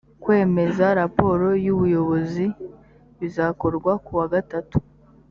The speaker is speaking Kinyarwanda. kwemeza raporo y’ ubuyobozi bizakorwa kuwa gatatu.